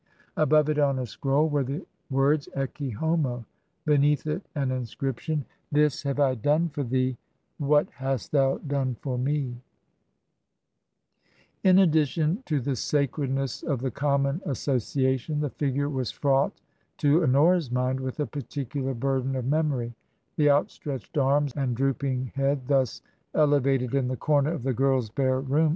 Above it on a scroll were the words "Ecce Homo," beneath it an inscription :" This have I done for thee ; What hast thou done for Me /" In addition to the sacredness of the common association, the figure was fraught to Honora's mind with a particular burden of memory; the outstretched arms and drooping head thus elevated in the comer of the girl's bare room TRANSITION.